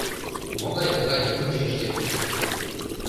Могай тыгай унчеш лектын?..